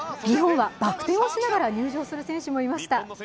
日本はバク転をしながら入場する選手もいました。